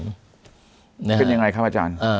เป็นยังไงครับอาจารย์